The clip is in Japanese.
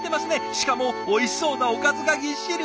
しかもおいしそうなおかずがぎっしり。